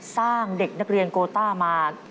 สร้างเด็กนักเรียนโกต้ามา